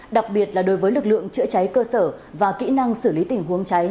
đặc biệt là đối với lực lượng chữa cháy cơ sở và kỹ năng xử lý tình huống cháy